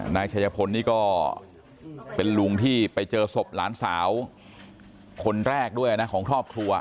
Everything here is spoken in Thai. นายชัยพลนี่ก็เป็นลุงที่ไปเจอศพหลานสาวคนแรกด้วยนะของครอบครัว